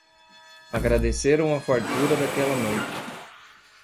Agradeceram a fartura daquela noite